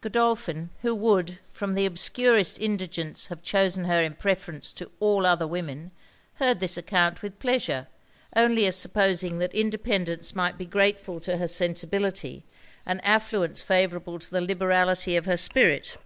Godolphin, who would, from the obscurest indigence, have chosen her in preference to all other women, heard this account with pleasure, only as supposing that independance might be grateful to her sensibility, and affluence favourable to the liberality of her spirit.